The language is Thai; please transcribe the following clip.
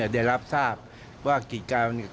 ได้รับทราบว่ากิจกรรม